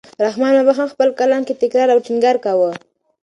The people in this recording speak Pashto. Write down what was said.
رحمان بابا هم په خپل کلام کې تکرار او ټینګار کاوه.